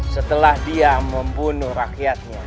setelah dia membunuh rakyatnya